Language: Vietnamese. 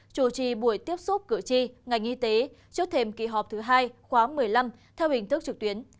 chủ trì buổi tiếp xúc cử tri ngành y tế trước thềm kỳ họp thứ hai khóa một mươi năm theo hình thức trực tuyến